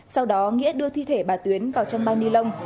sau đó nghĩa đưa thi thể bà tuyến vào trong bao ni lông